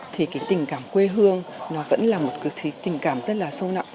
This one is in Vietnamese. thì cái tình cảm quê hương nó vẫn là một cái tình cảm rất là sâu nặng